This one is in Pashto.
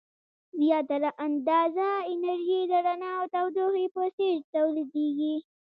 زیاتره اندازه انرژي د رڼا او تودوخې په څیر تولیدیږي.